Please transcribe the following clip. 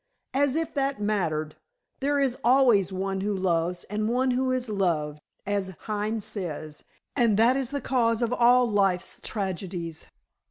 "As if that mattered. There is always one who loves and one who is loved, as Heine says, and that is the cause of all life's tragedies.